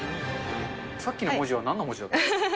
さっきの文字はなんの文字だ